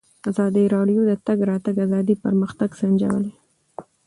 ازادي راډیو د د تګ راتګ ازادي پرمختګ سنجولی.